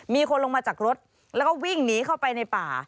มีคนลงมาจากรถแล้วก็วิ่งหนีเข้าไปในป่า